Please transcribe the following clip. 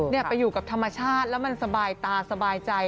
ไปอยู่กับธรรมชาติแล้วมันสบายตาสบายใจ